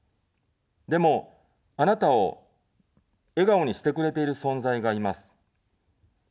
でも、あなたを笑顔にしてくれている存在がいます。